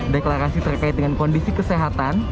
deklarasi terkait dengan kondisi kesehatan